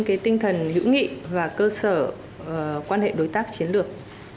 cái tinh thần hữu nghị và cơ sở quan hệ đối tác chiến lược